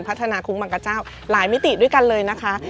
คุ้งบังกะเจ้าหลายมิติด้วยกันเลยนะคะ